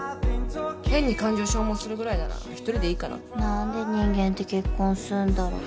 変に感情を消耗するぐらいなら一人でいいかななんで人間って結婚すんだろ